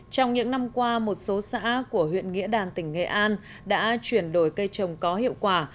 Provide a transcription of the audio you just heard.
trong những năm qua một số xã của huyện nghĩa đàn tỉnh nghệ an đã chuyển đổi cây trồng có hiệu quả